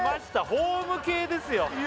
ホーム系ですよ